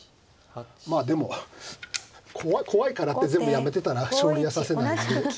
まあでも怖いからって全部やめてたら将棋は指せないんで。